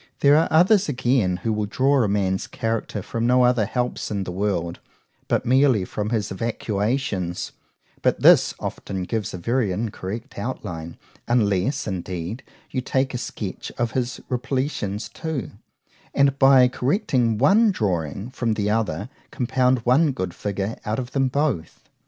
There are others again, who will draw a man's character from no other helps in the world, but merely from his evacuations;—but this often gives a very incorrect outline,—unless, indeed, you take a sketch of his repletions too; and by correcting one drawing from the other, compound one good figure out of them both.